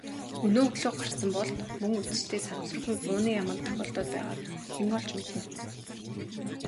Өнөө өглөө гарсан Болд мөн үдэштээ санамсаргүй бууны аманд тохиолдоод байгааг хэн олж мэднэ.